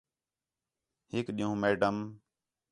ہِک ݙِین٘ہوں میڈم